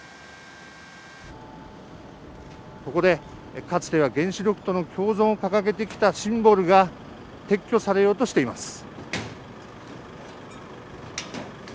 ここでかつては原子力との共存を掲げてきたシンボルが撤去されようとしています。